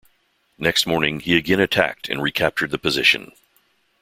Next morning he again attacked and recaptured the position.